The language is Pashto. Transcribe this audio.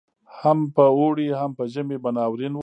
هم په اوړي هم په ژمي به ناورین وو